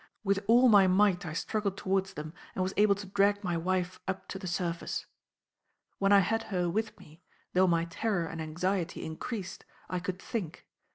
With all my might I struggled towards them, and was able to drag my wife up to the surface. When I had her with me, though my terror and anxiety increased, I could think.